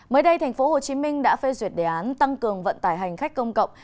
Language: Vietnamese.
mới đây thành phố hồ chí minh đã phê duyệt đề án tăng cường vận tải hành khách công cộng